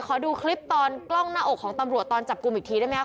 ขอดูคลิปตอนกล้องหน้าอกของตำรวจตอนจับกลุ่มอีกทีได้ไหมค